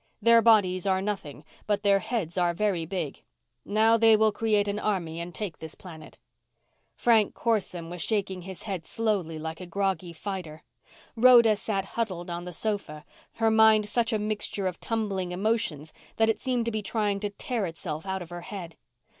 Their bodies are nothing, but their heads are very big. Now they will create an army and take this planet." Frank Corson was shaking his head slowly like a groggy fighter. Rhoda sat huddled on the sofa, her mind such a mixture of tumbling emotions that it seemed to be trying to tear itself out of her head.